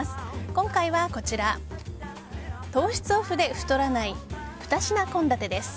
今回はこちら糖質オフで太らない２品献立です。